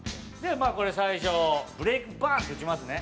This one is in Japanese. まあこれ最初ブレイクバーンって打ちますね。